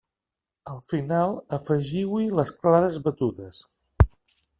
Al final afegiu-hi les clares batudes.